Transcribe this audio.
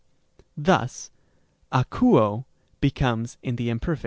Thus ἀκούω becomes in the imperf.